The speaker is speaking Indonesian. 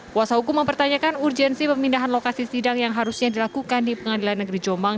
kuasa hukum mempertanyakan urgensi pemindahan lokasi sidang yang harusnya dilakukan di pengadilan negeri jombang